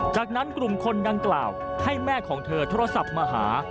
จากนั้นกลุ่มคนดังกล่าวให้แม่ของเธอโทรศัพท์มาหา